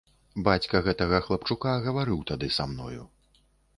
Бацька гэтага хлапчука гаварыў тады са мною.